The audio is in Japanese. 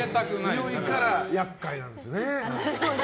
強いから厄介なんですよね。